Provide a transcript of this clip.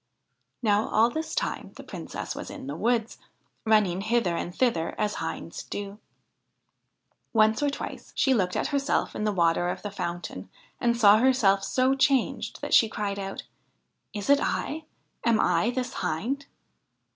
Now all this time the Princess was in the wood, running hither and thither as hinds do. Once or twice she looked at herself in the water of the fountain, and saw herself so changed that she cried out: ' Is it I ? Am I this hind